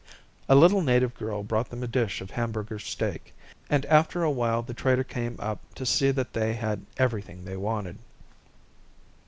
A little native girl brought them a dish of Hamburger steak, and after a while the trader came up to see that they had everything they wanted.